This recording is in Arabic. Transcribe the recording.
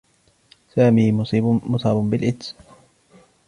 سامي مصاب باالإيدز.